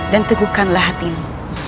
dan teguhkanlah hatimu